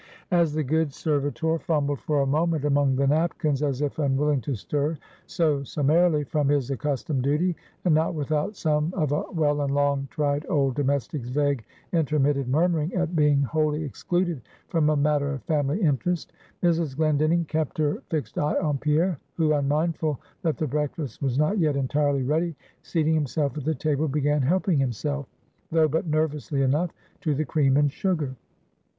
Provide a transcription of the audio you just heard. As the good servitor fumbled for a moment among the napkins, as if unwilling to stir so summarily from his accustomed duty, and not without some of a well and long tried old domestic's vague, intermitted murmuring, at being wholly excluded from a matter of family interest; Mrs. Glendinning kept her fixed eye on Pierre, who, unmindful that the breakfast was not yet entirely ready, seating himself at the table, began helping himself though but nervously enough to the cream and sugar.